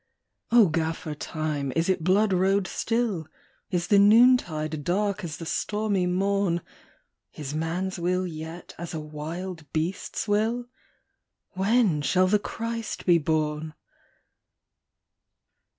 " O Gaffer Time, is it blood road still? Is the noontide dark as the stormy morn? Is man s will yet as a wild beast s will? When shall the Christ be born?